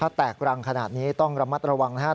ถ้าแตกรังขนาดนี้ต้องระมัดระวังนะครับ